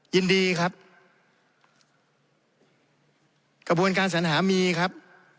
ยินดีครับกระบวนการสัญหามีครับ